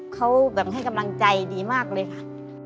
เขาแบบให้กำลังใจดีมากเลยค่ะ